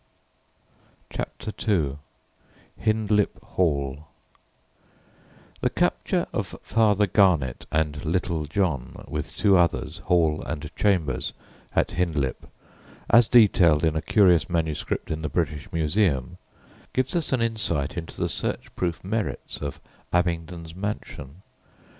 CHAPTER II HINDLIP HALL The capture of Father Garnet and "Little John" with two others, Hall and Chambers, at Hindlip, as detailed in a curious manuscript in the British Museum, gives us an insight into the search proof merits of Abingdon's mansion.